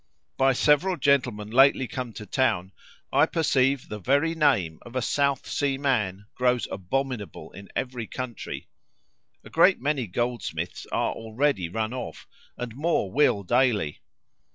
By several gentlemen lately come to town, I perceive the very name of a South Sea man grows abominable in every country. A great many goldsmiths are already run off, and more will daily.